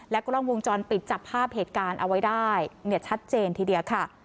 กล้องวงจรปิดจับภาพเหตุการณ์เอาไว้ได้ชัดเจนทีเดียวค่ะ